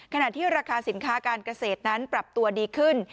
ขณะที่ราคาสินค้าการเกษตรนั้นปรับตัวดีขึ้น